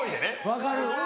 分かる。